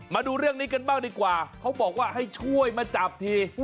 มาดูเรื่องนี้กันบ้างดีกว่าเขาบอกว่าให้ช่วยมาจับที